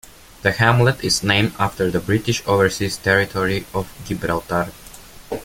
The hamlet is named after the British Overseas Territory of Gibraltar.